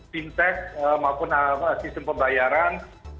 finseks maupun sistem pembayaran